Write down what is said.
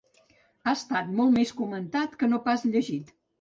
Ha estat molt més comentat que no pas llegit.